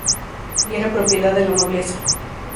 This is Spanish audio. Y era propiedad de la nobleza.